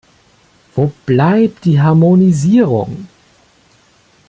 Wo bleibt die Harmonisierung?